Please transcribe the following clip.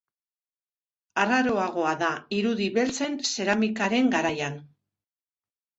Arraroagoa da irudi beltzen zeramikaren garaian.